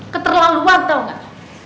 keterlaluan tau gak